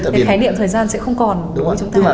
thế thì khái niệm thời gian sẽ không còn đối với chúng ta